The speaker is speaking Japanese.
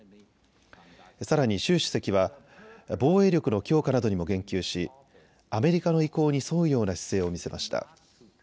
さらに朱主席は防衛力の強化などにも言及しアメリカの意向に沿うような姿勢を見せました。